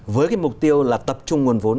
với cái mục tiêu là tập trung nguồn vốn